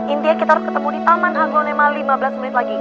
intinya kita harus ketemu di taman aglonema lima belas menit lagi